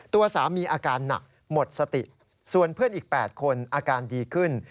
ตัวสามีอาการหนักหมดสติส่วนเพื่อนอีก๘คนอาการดีขึ้น